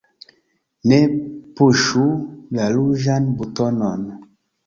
Ne puŝu la ruĝan butonon!